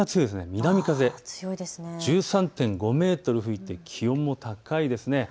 南風１３．５メートル吹いて気温も高いです。